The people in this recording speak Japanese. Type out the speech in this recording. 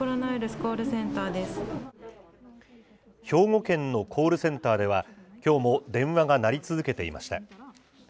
兵庫県のコールセンターでは、きょうも電話が鳴り続けていました。